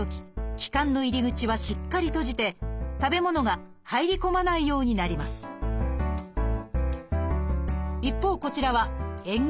気管の入り口はしっかり閉じて食べ物が入り込まないようになります一方こちらはえん下